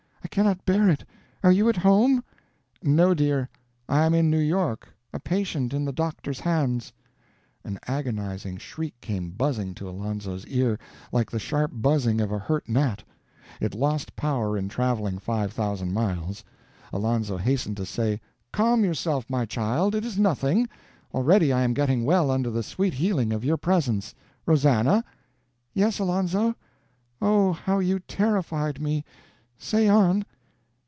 I cannot bear it. Are you at home?" "No, dear, I am in New York a patient in the doctor's hands." An agonizing shriek came buzzing to Alonzo's ear, like the sharp buzzing of a hurt gnat; it lost power in traveling five thousand miles. Alonzo hastened to say: "Calm yourself, my child. It is nothing. Already I am getting well under the sweet healing of your presence. Rosannah?" "Yes, Alonzo? Oh, how you terrified me! Say on."